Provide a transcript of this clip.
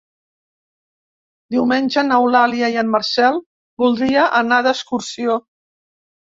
Diumenge n'Eulàlia i en Marcel voldria anar d'excursió.